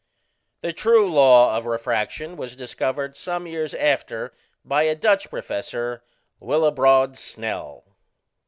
The true law of refraction was discovered some years after by a Dutch professor, Willebrod Snell.